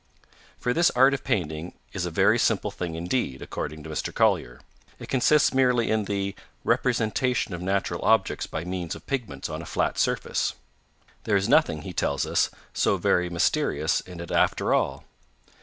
For this art of painting is a very simple thing indeed, according to Mr. Collier. It consists merely in the 'representation of natural objects by means of pigments on a flat surface.' There is nothing, he tells us, 'so very mysterious' in it after all.